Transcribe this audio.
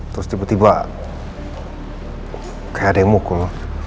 terus tiba tiba kayak ada yang mukul